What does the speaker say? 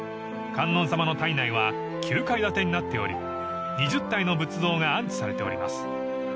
［観音様の胎内は９階建てになっており２０体の仏像が安置されております］